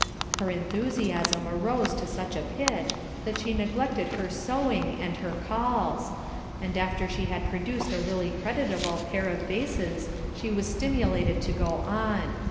Her enthusiasm arose to such a pitch, that she neglected her sewing and her calls; and after she had produced a really creditable pair of vases, she was stimulated to go on.